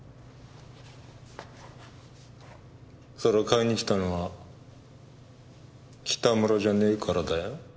そりゃ買いに来たのは北村じゃねえからだよ。